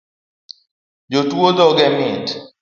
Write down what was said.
Jatuo dhoge mit